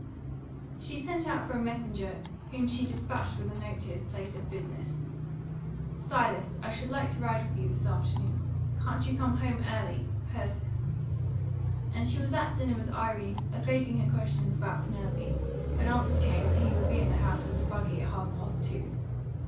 She sent out for a messenger, whom she despatched with a note to his place of business: "Silas, I should like to ride with you this afternoon. Can't you come home early? Persis." And she was at dinner with Irene, evading her questions about Penelope, when answer came that he would be at the house with the buggy at half past two.